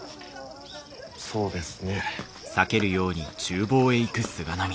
そうですね。